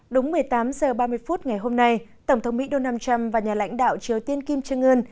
đúng một mươi tám h ba mươi phút ngày hôm nay tổng thống mỹ donald trump và nhà lãnh đạo triều tiên kim trương ươn